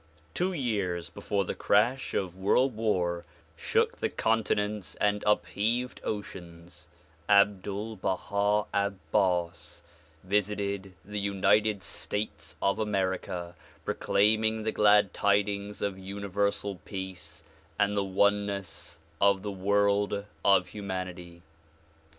Two years before the crash of world war shook the cor tinents and upheaved oceans Abdul Baha Abbas visited the United States of America proclaiming: the Glad Tidings of Universal Peace and the oneness of the world of humanity.